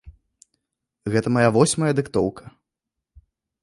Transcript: Гэта мая восьмая дыктоўка.